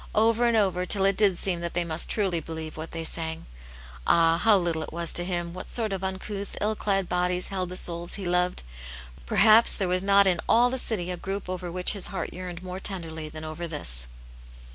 oyer and over, till it did seem that they must truly believe what they sang. Ah, how little it was' to Him what sort of uncouth, ill clad bodies held the souls He loved t Perhaps there was not in alf the city a group over which His heart yearned more tenderly than over this.